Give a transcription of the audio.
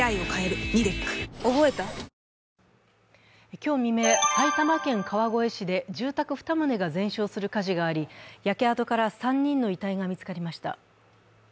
今日未明、埼玉県川越市で住宅２棟が全焼する火事があり焼け跡から３人の遺体が見つかりました。